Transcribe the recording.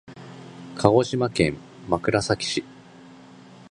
鹿児島県枕崎市